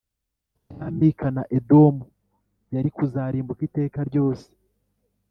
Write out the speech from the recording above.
icya Mika na Edomu yari kuzarimbuka iteka ryose